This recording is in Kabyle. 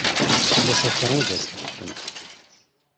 Fell-as akka i d as-teḥkem.